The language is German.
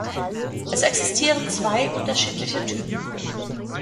Es existieren zwei unterschiedliche Typen.